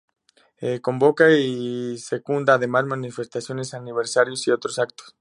Convoca y secunda además manifestaciones en aniversarios y otros actos.